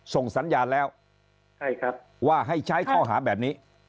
ส่งสัญญาณแล้วว่าให้ใช้ข้อหาแบบนี้